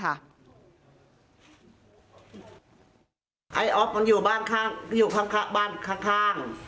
ไอ้ออฟอยู่บ้านข้างบ้านข้าง